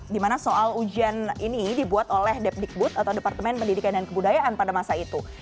dimana soal ujian ini dibuat oleh depdikbud atau departemen pendidikan dan kebudayaan pada masa itu